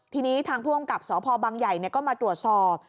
ทีนี้ทางผู้อำกับสพบังใหญ่ก็มาตรวจสอบ